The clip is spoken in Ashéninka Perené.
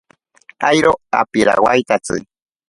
Airo apirawaitatsi.